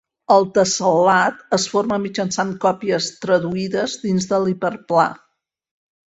El tessel·lat es forma mitjançant còpies traduïdes dins de l'hiperplà.